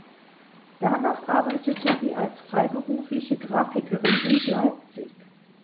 Danach arbeitete sie als freiberufliche Grafikerin in Leipzig.